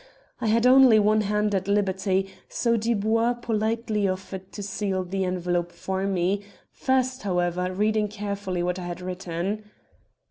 I had only one hand at liberty, so Dubois politely offered to seal the envelope for me, first, however, reading carefully what I had written.